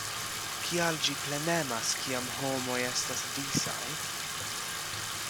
Kial ĝi plenemas kiam homoj estas disaj?